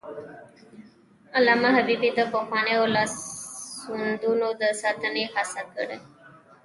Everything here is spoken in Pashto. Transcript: علامه حبيبي د پخوانیو لاسوندونو د ساتنې هڅې کړي.